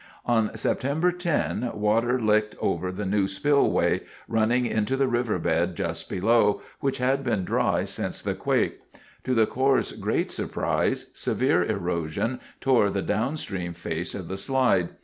On September 10, water licked over the new spillway, running into the river bed just below, which had been dry since the quake. To the Corps's great surprise, severe erosion tore the downstream face of the slide.